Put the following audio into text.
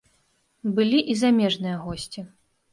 Былі і замежныя госці.